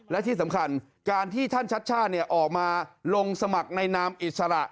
และที่สำคัญการที่ท่านชัดชาติออกมาลงสมัครในนามอิสระ